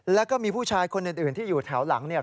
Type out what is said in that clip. แล้วก็มีผู้ชายคนอื่นที่อยู่แถวหลังเนี่ย